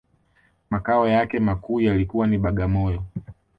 Makao yake makuu yalikuwa ni Bagamoyo